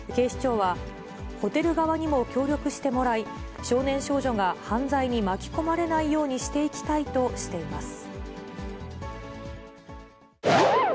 警視庁は、ホテル側にも協力してもらい、少年少女が犯罪に巻き込まれないようにしていきたいとしています。